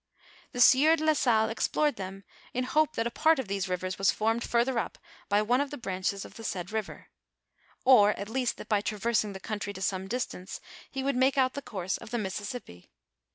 The sieur de la Salle explored them in hope that a part of these rivers was formed further up by one of the branches of the said river ; or, at least, that by traversing the country to some distance, he would make out the course of the Missisipi.